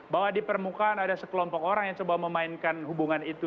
bahwa di permukaan ada sekelompok orang yang coba memainkan hubungan itu